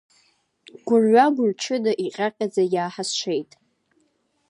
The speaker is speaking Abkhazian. Гәырҩа-гәырчыда, иҟьаҟьаӡа иааҳазшеит.